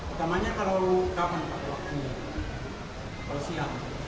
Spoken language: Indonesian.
pertamanya kalau kapan pak waktu ini